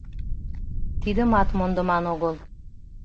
Тидымат мондыман огыл.